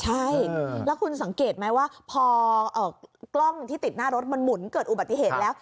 ใช่แล้วคุณสังเกตไหมว่าพอกล้องที่ติดหน้ารถมันหมุนเกิดอุบัติเหตุแล้ว